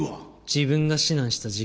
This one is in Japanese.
自分が指南した事件に。